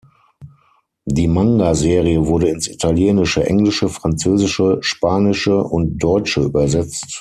Die Manga-Serie wurde ins Italienische, Englische, Französische, Spanische und Deutsche übersetzt.